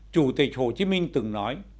chủ tịch hồ chí minh từng nói